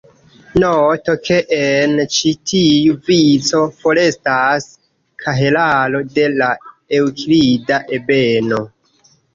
Noto ke en ĉi tiu vico forestas kahelaro de la eŭklida ebeno.